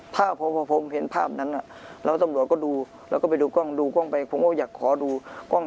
ภาพพอผมเห็นภาพนั้นแล้วตำรวจก็ดูแล้วก็ไปดูกล้องดูกล้องไปผมก็อยากขอดูกล้อง